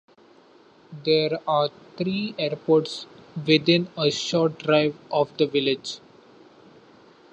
There are three airports within a short drive of the village.